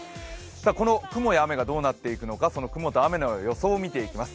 この雲や雨がどうなっていくのか、雲と雨の予想を見ていきます。